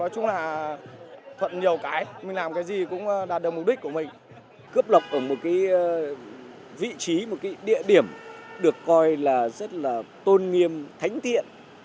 cướp lọc ở một vị trí một địa điểm được coi là rất là tôn nghiêm thánh thiện